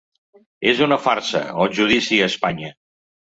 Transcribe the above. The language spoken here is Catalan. És una farsa, el judici a Espanya.